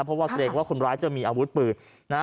เพราะว่าเกรงว่าคนร้ายจะมีอาวุธปืนนะฮะ